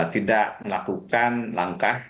tidak melakukan langkah